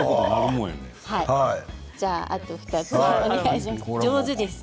じゃあ、あと２つお願いします、上手ですね。